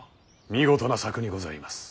見事な策にございます。